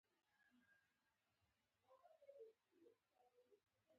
خوشحالي ښایسته دی.